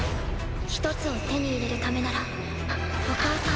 １つを手に入れるためならお母さんは。